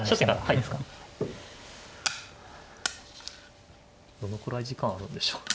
どのくらい時間あるんでしょう？